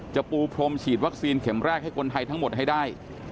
ปูพรมฉีดวัคซีนเข็มแรกให้คนไทยทั้งหมดให้ได้